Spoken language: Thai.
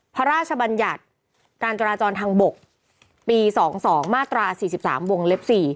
พระราชบัญญัติการจราจรทางบกปี๒๒มาตรา๔๓วงเล็บ๔